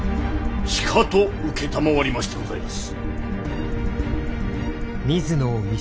しかと承りましてございます。